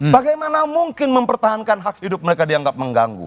bagaimana mungkin mempertahankan hak hidup mereka dianggap mengganggu